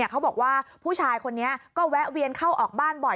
เขาบอกว่าผู้ชายคนนี้ก็แวะเวียนเข้าออกบ้านบ่อย